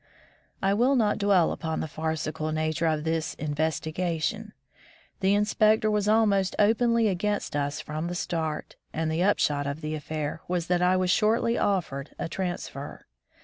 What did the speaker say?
I will not dwell upon the farcical nature of this *' investigation." The inspector was almost openly against us from the start, and the upshot of the affair was that I was shortly offered a transfer.